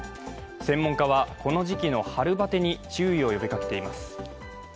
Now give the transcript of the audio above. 専門家は、この時期の春バテに注意を呼びかけています。